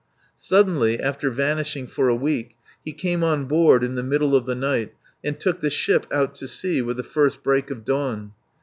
Suddenly, after vanishing for a week, he came on board in the middle of the night and took the ship out to sea with the first break of dawn.